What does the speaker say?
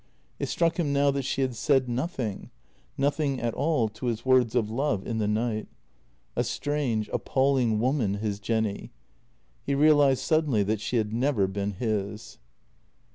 It struck him now that she had said nothing — nothing at all to his words of love in the night. A strange, apalling woman, his Jenny. He realized suddenly that she had never been his.